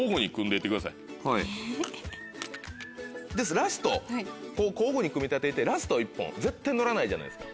ラスト交互に組み立ててラスト１本絶対のらないじゃないですか。